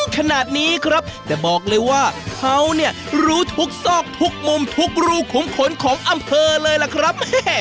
ใช่ครับชอบท่องเที่ยวครับ